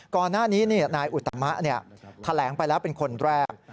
ก่อนหน้านี้นายอุตมะแถลงไปแล้วเป็นคนแรก